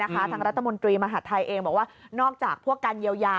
ทางรัฐมนตรีมหาดไทยเองบอกว่านอกจากพวกการเยียวยา